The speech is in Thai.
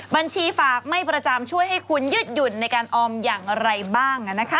บัญชีฝากไม่ประจำช่วยให้คุณยืดหยุ่นในการออมอย่างไรบ้าง